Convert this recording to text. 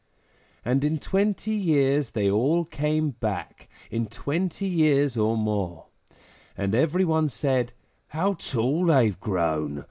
And in twenty years they all came back, In twenty years or more, And every one said, `How tall they've grown!